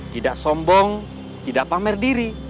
tidak sombong tidak pamer diri